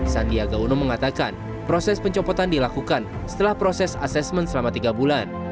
sandiaga uno mengatakan proses pencopotan dilakukan setelah proses asesmen selama tiga bulan